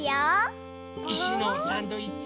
いしのサンドイッチ？